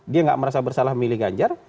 dia nggak merasa bersalah milih ganjar